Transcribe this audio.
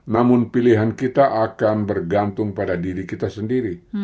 namun pilihan kita akan bergantung pada diri kita sendiri